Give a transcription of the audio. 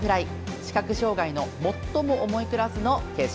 視覚障がいの最も重いクラスの決勝。